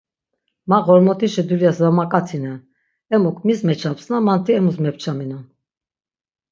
Man Ğormotişi dulyas va mak̆atinen, emuk mis meçapsna manti emus mepçaminon.